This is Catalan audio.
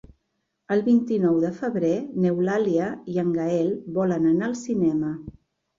El vint-i-nou de febrer n'Eulàlia i en Gaël volen anar al cinema.